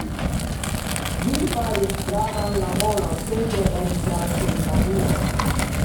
Li faris gravan laboron ĉefe en Transilvanio.